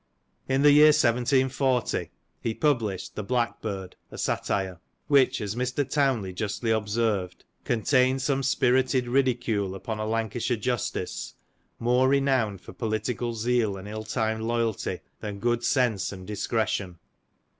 In the year 1740, he published "The Blackbird," a satire; which as Mr. Townley justly observed, " contained some spirited ridicule upon a Lancashire justice, more renowned for political zeal, and ill timed loyalty, than good sense and discretion."